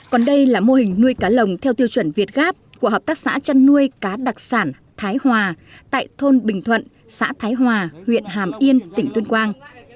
còn đây là mô hình nuôi cá lồng theo tiêu chuẩn việt gáp của hợp tác xã chăn nuôi cá đặc sản thái hòa tại thôn bình thuận xã thái hòa huyện hàm yên tỉnh tuyên quang